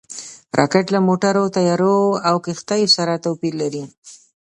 راکټ له موټرو، طیارو او کښتیو سره توپیر لري